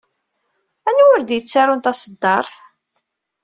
Anwa ur d-yettarun taṣeddart?